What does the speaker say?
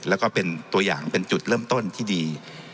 แล้วก็เป็นตัวอย่างเป็นจุดเริ่มต้นที่ดี